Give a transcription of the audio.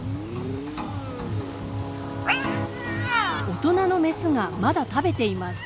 大人のメスがまだ食べています。